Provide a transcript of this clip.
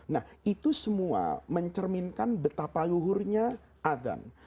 nah itu semua mencerminkan betapa luhurnya adhan